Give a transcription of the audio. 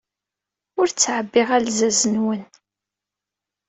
Ur ttɛebbiɣ alzaz-nwen.